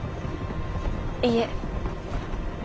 いいえ。